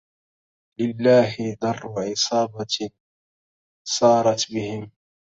لله در عصابة سارت بهم